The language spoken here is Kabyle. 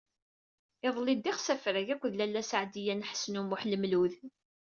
Iḍelli ddiɣ s afrag akked Lalla Seɛdiya n Ḥsen u Muḥ Lmlud.